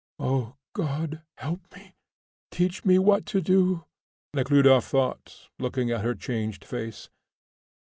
"O God, help me! Teach me what to do," Nekhludoff thought, looking at her changed face.